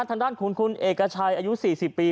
ทางด้านของคุณเอกชัยอายุ๔๐ปี